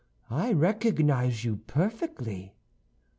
I recognize you perfectly."